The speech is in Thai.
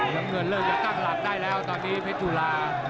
น้ำเงินเริ่มจะตั้งหลักได้แล้วตอนนี้เพชรจุฬา